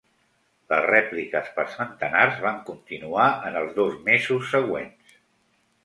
Les rèpliques, per centenars, van continuar en els dos mesos següents.